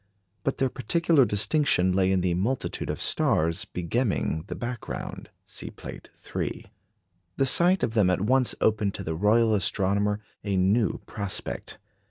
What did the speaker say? But their particular distinction lay in the multitude of stars begemming the background. (See Plate III.) The sight of them at once opened to the Royal Astronomer a new prospect.